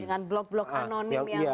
dengan blok blok anonim yang